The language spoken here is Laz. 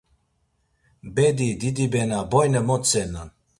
Bedi didibena boyne motzenan.